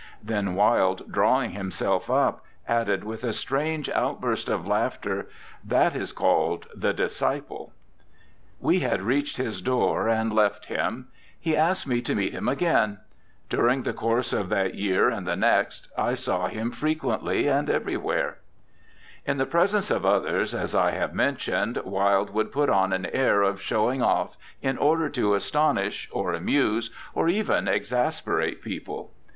"' Then Wilde, drawing himself up, added with a strange outburst of laughter, 'That is called The Disciple.' We had reached his door, and left him. He asked me to meet him again. During the course of that year and the next I saw him frequently and everywhere. In the presence of others, as I have mentioned, Wilde would put on an air of showing off in order to astonish, or amuse, or even exasperate people.